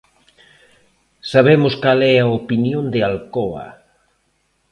Sabemos cal é a opinión de Alcoa.